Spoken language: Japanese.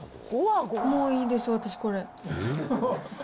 もういいです、私、これ。